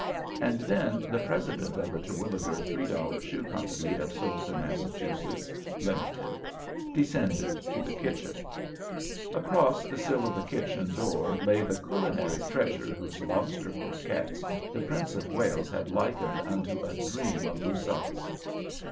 And then the president of the Terwilliger Three dollar Shoe Company of Soleton, Massachusetts (Limited), descended to the kitchen. Across the sill of the kitchen door lay the culinary treasure whose lobster croquettes the Prince of Wales had likened unto a dream of Lucullus.